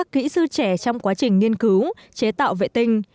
kỹ sư trẻ trong quá trình nghiên cứu chế tạo vệ tinh